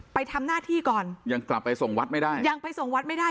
ไปทำหน้าที่ก่อนยังกลับไปส่งวัดไม่ได้ยังไปส่งวัดไม่ได้